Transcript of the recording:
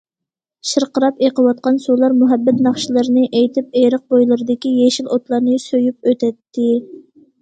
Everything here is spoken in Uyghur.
شىرقىراپ ئېقىۋاتقان سۇلار مۇھەببەت ناخشىلىرىنى ئېيتىپ ئېرىق بويلىرىدىكى يېشىل ئوتلارنى سۆيۈپ ئۆتەتتى.